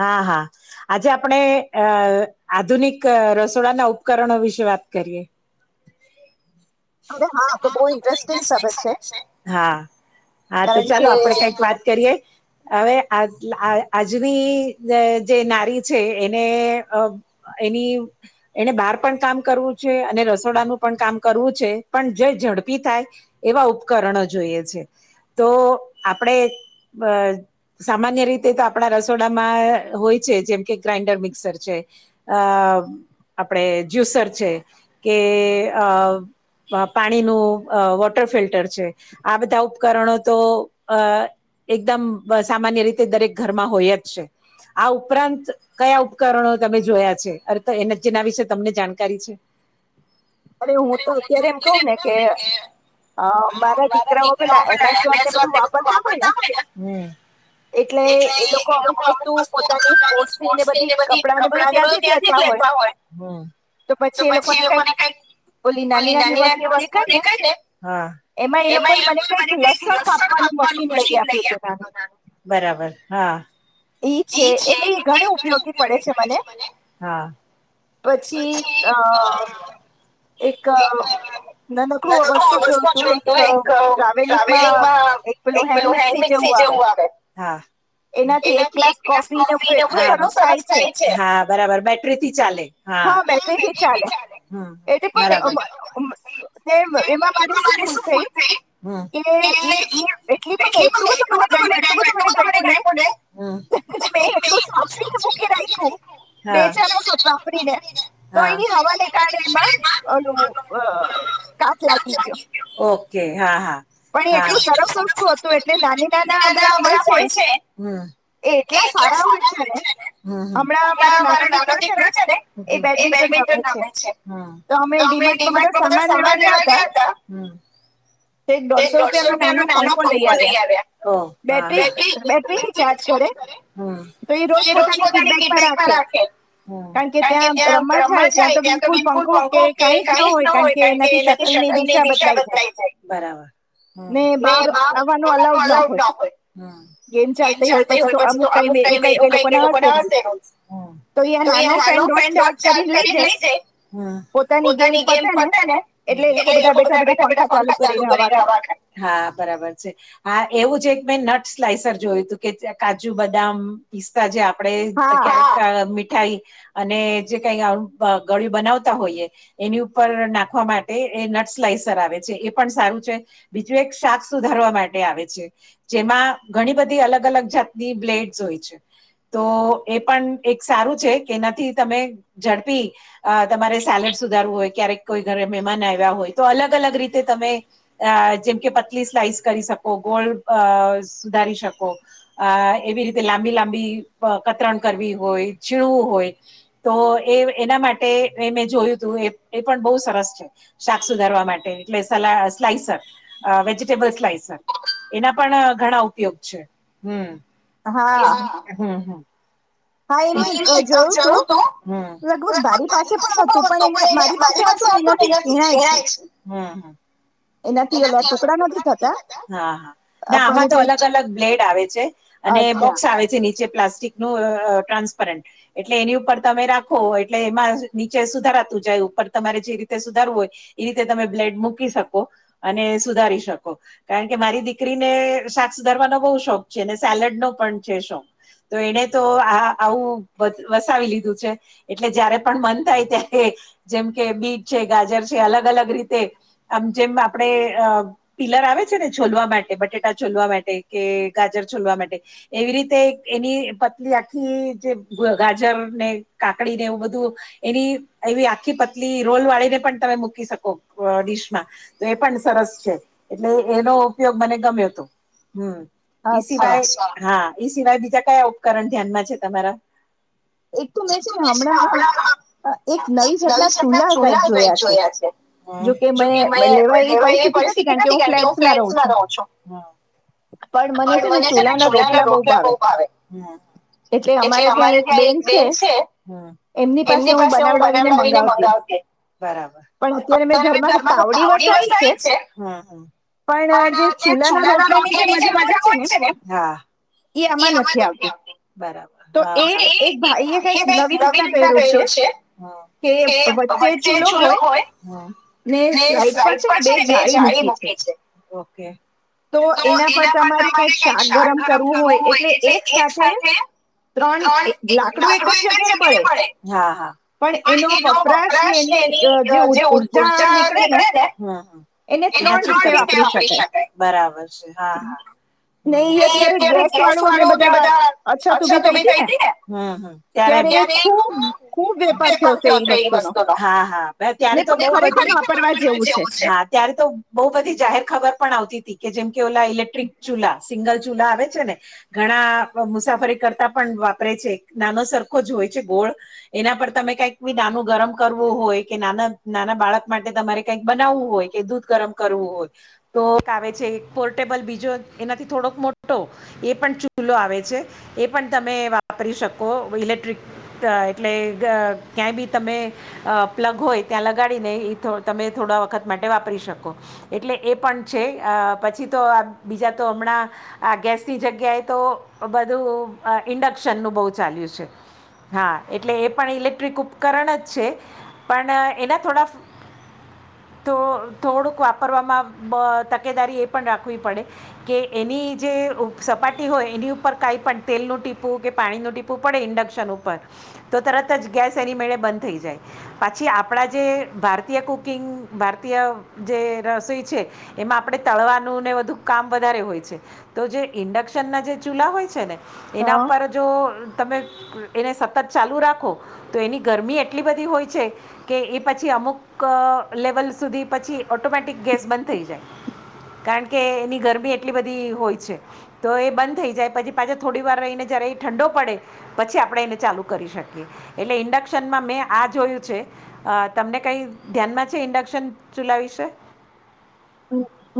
હા હા આજે આપણે અ આધુનિક રસોડાના ઉપકરણો વિશે વાત કરીએ અરે હા તો બહ ઇન્ટરેસ્ટિંગ સબ છે હા તો ચાલો આપડે કઈક વાત કરીએ હવે આ આજની જે નારી છે એને એની એને બહાર પણ કામ કરવું છે અને રસોડાનું પણ કામ કરવું છે પણ જે ઝડપી થાય એવા ઉપકરણો જોઈએ છે તો આપણે અ સામાન્ય રીતે તો આપણા રસોડામાં હોય છે જેમ કે ગ્રાઇન્ડર મિક્સર છે અ આપણે જ્યુસર છે કે અ પાણીનું અ વોટર ફિલ્ટર છે આ બધા ઉપકરણો તો અ એકદમ સામાન્ય રીતે દરેક ઘરમાં હોય જ છે આ ઉપરાંત કયા ઉપકરણો તમે જોયા છે અ તો એ જેના વિશે તમને જાણકારી છે ત્યારે એમ કવું ને કે અ મારા દીકરાઓ પેલા એમેઝોન ને બધું વાપરતા હોય ને એટલે એ લોકો અમુક વસ્તુ પોતાની સ્પોર્ટ્સ ની ને બધી કપડા ને બધું ત્યાંથી જ લેતા હોય હોય હમ તો પછી એ લોકો ને કઈ અને નાની નાની વસ્તુઓ દેખાય ને હા એમાં એ લોકો એ મને કઈક લસણ કાપવાનું મશીન લઈ આપ્યું હતું હમણાં બરાબર હા ઈ છે એટલે એ ઘણ ઉપયોગી પડે છે મને પછી અ એક નાનકું વસ્તુ જોવું તું એક ટ્રાવેલિંગમાં એક પેલું હેન્ડ મિક્સી જેવું જવું આવે હા એનાથી એક ગ્લાસ કોફી સરસ થાય છે હા બરાબર બેટરીથી ચાલે હા હમ બરાબર એમાં મારી શું ભૂલ થઈ કે એટલી બધું એટલું બધું મને ગમ્યું એટલું બધું મને ગમ્યું ને મે એટલું સાચવી મુકીને રાખ્યું બે ચાર વરહ તો એની હવાને કારણે એમાં હા કાટ લખી ગયો ઓકે હા હા પણ એટલું સરસ વસ્તુ હતું એટલે નાની નાના આ બધા હોય છે એ એટલા સારા હોય છે ને હમ એલા મારો નાનો દીકરો છે ને એ બેડમિન્ટન રમે છે તો અમે ડી માર્ટ બધા સમાન લેવા ગયા હતા દોઢસો રૂપિયા નો નાનો પંખો લઈ આવ્યા હ હા બેટરી રિચાર્જ હ એ રોજ પોતાની ફીડબેકમાં રાખે કારણ કે ત્યાં રમવા જાય ત્યાં તો બિલકુલ પંખો કે કઈ જ ના હોય કારણ કે એનાથી ચકલી ની દિશા બદલાય જાય ને બાપ આ અલાઉડ ના હોય ગેમ ચાલતી હોય પછી તો અમુક ટાઇમે એવુ કઈક એલોકો તો અહીયા નાનો ફેન રોજ ચાર્જ કરીને જે, હમ પોતાની ગેમ પતે ને, એટલે એ લોકો બધા બેઠા બેઠા પંખા ચાલુ કરી ને હવા ખાય. હા બરાબર છે. હા એવું જ એક મેં નટ સ્લાઈસર જોયું હતું કે કાજુ બદામ પિસ્તા જે આપડે [unintelligible] હા થાઈ અને જે કઈ આવું ગ ગળ્યું બનાવતા હોઈએ એની ઉપર નાખવા માટે એ નટ સ્લાઈસર આવે છે એ પણ સારું છે, બીજું એક શાક સુધારવા માટે આવે છે, જેમાં ઘણી બધી અલગ અલગ ટાઇપની બ્લેડસ હોય છે. તો એ પણ એક સારું છે કે, એનાથી તમે ઝડપી અ તમારે સેલડ સુધારું હોય ક્યારેક કોઈ ઘરે મહેમાન આવ્યા હોય તો અલગ અલગ રીત કે તમે, અ જેમ કે પતલી સ્લાઈસ કરી સકો, ગોળ અ સુધારી શકો. અ એવી રીતે લાંબી લાંબી કતરણ કરવી હોય, છીણવું હોય, તો તો એ એના માટે એ મેં જોયુંતું, એ પણ બહુ સરસ છે, શાક સુધારવા માટે. એટલે સલા, uh, slicer uh, vegetable slicer, એના પણ ઘણા ઉપયોગ છે. હમ હા, હમ હમ. હા ઈ મેં જોયુંતું, હમ, લગભગ માારી પાસે પણ હતું, પણ એણે મારી પાસે હતું, એનાથી છીણાય છે. એનાથી ટુકડા નથી થાતા, હા, હા, ના, આમાં તો અલગ અલગ બ્લેડ આવે છે અને બોક્સ આવે છે નીચે પ્લાસ્ટ ટિકનું ટ્રાન્સપરન્ટ, એટલે એની ઉપર તમે રાખો, એટલે એમાં નીચે સુધારાતું જાય. ઉપર તમારે જે રીતે સુધારવું હોય, એ રીતે તમે બ્લેડ મૂકી સકો. અને સુધારી શકો કારણ કે મારી દીકરીને શાક સુધારવાનો બહુ શોખ છે અને સેલડનો પણ છે શોખ તો એણે તો આ આવું વ, વસાવી લીધું છે એટલે જયારે પણ મન થાય, ત્યારે જેમ કે બીટ છે, ગાજર છે, અલગ અલગ રીતે આમ જેમ આપ આપણે અ પીલર આવે છે ને છોલવા માટે, બટેટા છોલવા માટે, કે ગાજર છોલવા માટે એવી રીતે એની પતલી આખી જે ગાજર ને કાકડી ને એવું બધું એની એવી આખી પતલી રોલ વાળી ને પણ તમે મૂકી સકો, ડીશમાં તો એ પણ સરસ છે, એટલે એનો ઉપયોગ મને ગમ્યોતો. હમ ઈ સિવાય [unintelligible] હા, ઈ સિવાય બીજા કયા ઉપકરણ ધ્યાનમાં છે તમારા? ઈ તો મેં શ્યા મળામાં એક નવી જાતના ચૂલા કઈ જોયા છે. જોકે મેં લેવાય એવી પરિસ્થિતિ નથી કારણ કે હું ફ્લેટસમાં રહું છું. પણ મને છે ને ચૂલાના રોટલા બહુ ભાવે. એટલે અમારે ત્યાં એક બેન છે, એમની પાસે હું બનાવડાવીને મંગાવતી. પણ અત્યારે મેં ઘરમાં તાવડી વસાવી છે, પણ જે ચૂલા ના રોટલાની જે મજા હોય છે ને એ આમાં નથી આવતી. તો એ ભાઈએ કઈક નવી રીતના કયરુ છે કે વચ્ચે ચૂલો હોય ને સાઈડ પર છે ને બે જાળી મૂકે છે, ઓકે તો એના પર તમારે કઈક શાક ગરમ કરવું હોય એટલે એક સાથે ત્રણ એક, લાકડું એક જ જગ્યા એ બળે, હા, હા પણ એનો વપરાશ ને એની અ, જે ઉત્ત ઉર્જા નીકળે ને, હમ [unintelligible] એને ત્રણ રીતે વાપરી શકાય. બરાબર મેષ, હા, હા, હા. હમ, એ અત્યારે ગેસ વાળું ને બધા અછત ઉભી થઈતી ને? હમ, હમ. ત્યારે ને ત્યારે હા ત્યારે તો, દરેકે વાપરવા જેવું છે, બહુ બધી જાહેર ખબર પણ આવતીતી કે જેમ કે કે ઓલા ઇક્ટ્રિક ચૂલા સિંગલ ચૂલા આવે છે ને ઘણા મુસાફરી કરતા પણ વાપરે છે નાનો સરખો જ હોય છે ગોળ પર એના પર તમે કંઈક નાનું ગરમ કરવું હોય કે ના નાના બાળક માટે તમારે કઈક બના બનાવું હોય કે દૂધ ગરમ કરવું હોય તો [unintelligible] જે પોર્ટેબલ બીજો એનાથી થોડોક મોટો એ પણ ચૂલો આવે છે એ પણ તમે ને વાપરી શકો ઇલેક્ટ્રિક એટલે ગા ક્યાંય બી તમે આ પ્લગ હોય ત્યાં લગાડીને એ તમે થોડા વખત માટે વાપરી શકો એટલે એ પણ છે. આ પછી તો આ બીજા તો હમણાં આ ગેસની જગ્યાએ તો બધું આ ઇન્ડક્શનનું બહુ ચાલ્યું છે. હા એટલે એ પણ ઇલેક્ટ્રિક ઉપકરણ જ છે પણ એના થોડા તો થોડુંક વાપરવામાં પા તા કે દારી એ પણ રાખવી પડે કે એની જે સપાટી હોય એની ઉપર કઈ પણ તેલનું ટીપુ કે પાણી નો ટીપું પડે ઇન્ડક્શન ઉપર તો તરત જ ગેસ એની મેળે બંધ થઈ જાય. પછી આપણા જે ભારતીય કુકિંગ ભારતીય જે રસોઈ છે એમાં આપણે તળવાનું ને વધધું કામ વધારે હોય છે તો જે ઈન્ડક્શન ના જે ચૂલા હોય છે ને. એના પર જો તમે એને સતત ચાલુ રાખો તો એની ગરમી એટલી બધી હોય છે કે એ પછી અ અમુક લેવલ સુધી પછી ઓટોમેટિક ગેસ બંધ થઈ જાય. કારણ કે એની ગરમી એટલી બધી હોય છે તો એ બંધ થઈ જાય પછી પાછા થોડી વાર રહીને જ્યારે એ ઠંડો પડે પછી આપણે એને ચાલુ કરી શકીએ એટલે ઇન્ડક્શનમાં મેં આ જોયું છે. આ તમને કઈ ધ્યાનમાં છે ઇન્ડક્શન ચૂલા વિશે?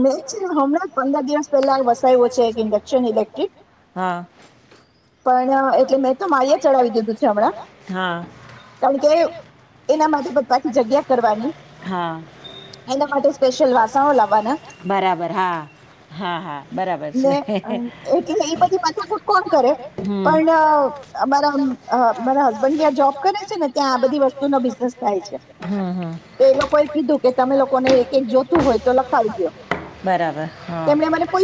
મે છે હમણાં જ પંદર દિવસ પેલા વસાયવો છે એક ઇન્ડેક્શન ઇલેક્ટ્રિક હા મારા [unintelligible] મારી એ ચડાવી દીધું છે આમના હા. અને એના માટે બતાથી જગ્યા કરવાની એના માટે સ્પેશિયલ વાસણો લાવવાના બરાબર હા. ને એટલે એ પછી માથા ફૂટ કોણ કરે. પણ અમારા મારા હસબન્ડ જ્યાં જોબ કરે છે ને ત્યાં આ બધી વસ્તુનો બિઝનેસ થાય છે તો એ લોકો એ કીધું કે તમે લોકોને એક એક જોતું હોય તો લખાવી દો. બરાબર હા.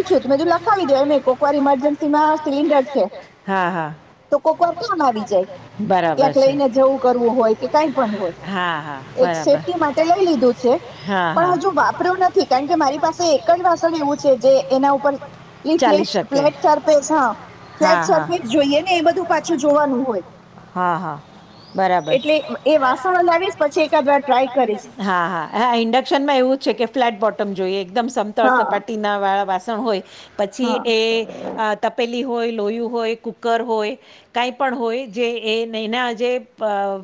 છું તો મેં કીધુ લખાવી દો એમને કોકવાર ઇમરજન્સીમાં સિલિન્ડર રાખીએ. હા હા. તો કોક વાર કોમ આવી જાય ક્યાંક લઈને જવું કરવું હોય કે કઈ પણ હોય. સેફ્ટી માટે લઈ લીધું છે પણ હજુ વાપર્યું નથી કારણ કે મા પાસે એક જ વાસણ એવું છે જે એના ઉપર ફ્લેટ [unintelligible] હા ફ્લેટ સર્ફેસ જોઈએ ને એ બધું પાછું જોવાનું હોય. હા હા. બરાબર હા હા ઇન્ડક્શનમાં એવું છે કે ફ્લેટ પો ટમ જોઈએ એકદમ સમતળ સપાટીના વાળા વાસણ હોય પછી એ આ તપેલી હોય લોહયુ હોય કુકર હોય કાંઈ પણ હોય જે એ નહીંના જે પા આ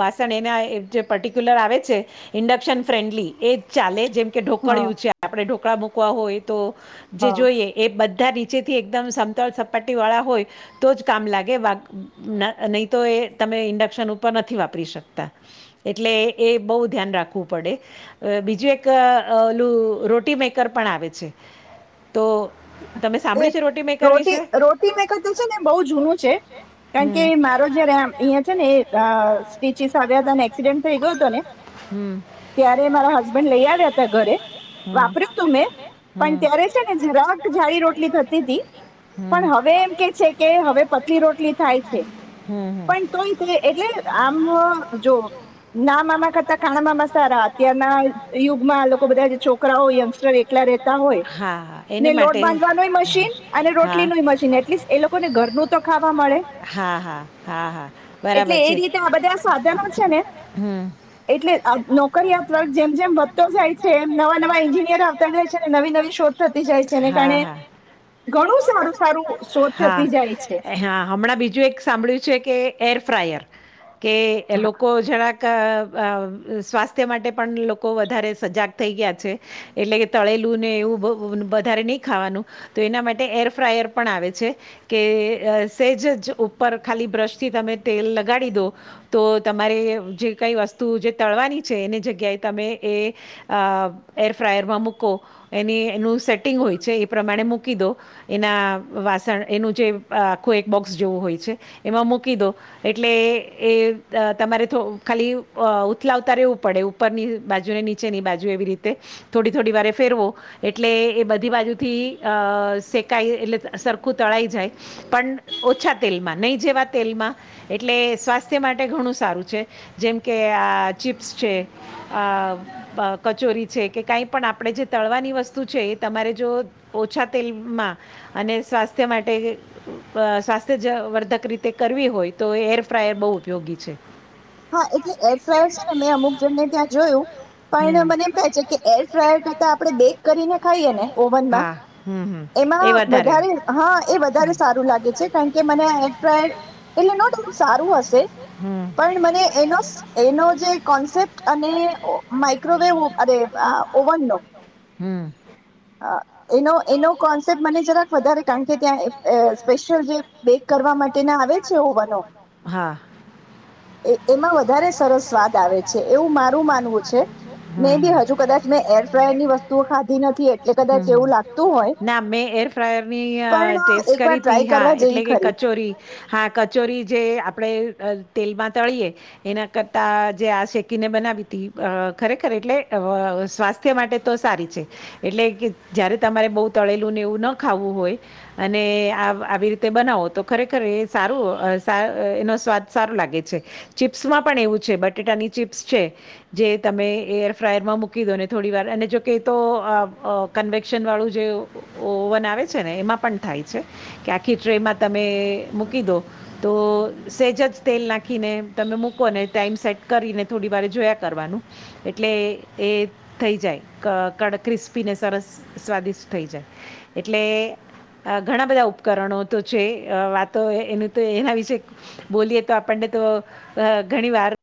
વાસણ એના જે પર્ટિક્યુલર આવે છે ઇન્ડક્શન ફ્રેન્ડલી એ ચાલે જેમ ટો કળ્યું છે આપણે ઢોકળા મૂકવા હોય તો જે જોઈએ એ બ બધા નીચેથી એકદમ સમતળ સપાટી વાળા હોય તો જ કામ લાગે વા ના નહી તો એ તમે ઇન્ડક્શન ઉપર નથી વાપરી શકતા એટલે એ બહુ ધ્યાન રાખવું પડે. બીજું એક ઓલું રોટી મેકર પણ આવે છે તો એ રોટી રોટી મેં કતું છે ને બહું જૂનું છે. કારણ કે મારો જ્યારે આમ અહંયા છે ને આ સ્પીચિસ આવ્યા હતા ને એક્સિડેન્ટ થઈ ગયો હતો ને ત્યારે મારા હસબેન્ડ લઈ આવ્યા હતા. ઘરે વાપર્યું તું મેં પણ ત્યારે છે ને જરાક જારી રોટલી થતી તી પણ હવે એમ કે છે કે હવે પતલી રોટલી થાય છે પણ તોય એટલે આમ જો ના મામા કરતા કાણા મામા સારા ત્યારના યુગમાં બધા જે છોકરાઓ યંગસ્ટર એકલા રહેતા હોય ને લોટ બાંધ વાની મશીન અને રોટલીનુંય મશીન એટલીસ્ટ એ લોકોને ઘરનું તો ખાવા મળે હા હા હા હા બરાબર છે હમ એટલે નોકરી આ પ્રગ જેમ જેમ વધતા જાય છે એમ નવા નવા એન્જિનિયર આવતા જાય છે નવી નવી શોધ થતી જાય છે એને કારણે કોણ હા હા હમણાં બીજું એક સાંભળ્યું છે કે એર ફ્રાયર કે એ લોકો જરા ક અ સ્વાસ્થ્ય માટે પણ લોકો વધારે સજાગ થઈ ગયા છે એટલે કે તળેલું ને એવું વધારે નહી ખાવાનું તો એના માટે એ ર ફાયર પણ આવે છે કે સેજ ઉપર ખાલી બ્રશ થી તમે તેલ લગા ડી દો તો તમારે જે કઈ વસ્તુ જે તળવાની છે એની જગ્યાએ તમે એ અ એર ફ્રાયર માં મુકો એની એનું સેટિંગ હોય છે એ પ્રમાણે મૂકી દો એના વાસણ એનું જે આખું એક બોક્સ જેવું હોય છે એમાં મૂકી દો એટલે એ તમારે ખાલી ઉથલાવતા રહેેવું પડે ઉપરની બાજુને ની ચેની બાજુ એવી રીતે થોડી થોડી વારે ફેરવો એટલે એ બધી બાજુથી અ શે કાઈ એટલે સરખું તળાઈ જાય પણ ઓછા તેલમાં નહી જેવા તેલ માં એટલે એ સ્વાસ્થ્ય માટે ઘણું સારુ છે જેમ કે આ ચિપ્સ છે અ અ કચોરી છે કે કાંઈ પણ આપડે જે તળવાની વસ્તુ છે એ તમારે જો ઓછા તેલમાં અને સ્વાસ્થ્ય માટે સ્વાસ્થ્ય જ વર્ધક રીતે કરવી હોય તો એર ફ્રાયર બહુ ઉપયોગી છે હા એટલે એર ફ્રાયર છે ને મેં અમુક જણને ત્યાં જોયું પણ મને એમ થાય છે કે એર ફ્રાયર કરતા આપડે બેક કરીને ખાઈએ ને ઓવનમાં એમ મા વધારે હા એ વધારે સારું લાગે છે કારણ કે મને એર ફ્રાયર એટલે નોડાઉટ સારું હશે પણ મ એ એનોસ એનો જે કોન્સેપ્ટ અને ઓ માઇક્રોવેવ અરે ઓવન નો અ એનો એનો કોન્સેપ્ટ મને જરાક વધારે કારણ કે ત્યાં અ સ્પેશિયલ જે બેક કરવા માટેના [inaudible] હા એ એમાં વધારે સરસ સ્વાદ આવે છે એવુ મારુ માનવું છે મે બી હજુ કદાચ મે એર ફ્રાયરની વસ્તુઓ ખાધી નથી એટલે કદચ એવું લા ના મેં એર ફ્રાયરની ટેસ્ટ કરી તી હા એટલે કે કચોરી હા કચોરી જે આપડે તેલમાં તડીયે એના કરતાં જે આ શેકીને બના વીતી અ ખરેખર એટલે અ સ્વાસ્થ્ય માટે તો સારી છે એટલે કે જ્યારે તમારે બઉ તળેલું ને એવું ન ખાવું હોય અને આવ આવી રીતે બનાવો તો ખરેખર એ સા રુ એનો સ્વાદ સારો લાગે છે ચિપ્સમાં પણ એવું છે બટેટાની ચીપ્સ છે જે તમે એરફ્રાયરમાં મૂકી દો ને થોડી વાર અને જો કેય તો અ કનવેક શન વાળું જે ઓવન આવે છે ને એમાં પણ થાય છે કે આખી ટ્રેમાં તમે મુ કીદો તો સેજજ તેલ નાખીને તમે મૂકો ને ટાઈમ સેટ કરીને થોડી વાર જોયા કરવાનું એટલે એ એ થઈ જાય કડક ક્રિસ્પીને સરસ સ્વાદિષ્ટ થઈ જાય એટલે ઘણા બધા ઉપકરણો તો છે વાતો એની તો એના વિશે બોલીએ તો આપણને તો ઘણી વાર